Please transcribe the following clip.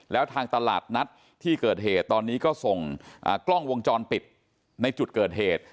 แล้วทางตลาดนัดที่เกิดเหตุตอนนี้ก็ส่งกล้องวงจรปิดในจุดเกิดเหตุ